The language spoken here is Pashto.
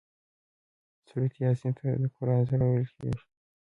سورة یس ته د قران زړه ويل کيږي